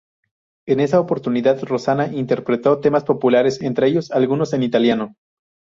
En esa oportunidad Rosanna interpretó temas populares, entre ellos, algunos en italiano.